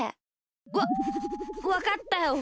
わっわかったよ。